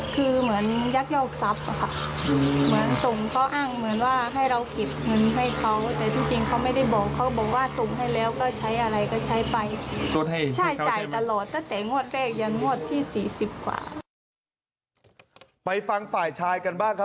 คือเหมือนยักษ์ยอกทรัพย์อะค่ะ